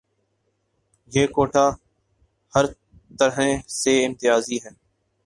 یہ کوٹہ ہرطرح سے امتیازی ہے۔